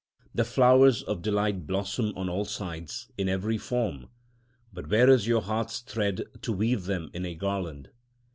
The flowers of delight blossom on all sides, in every form, but where is your heart's thread to weave them in a garland?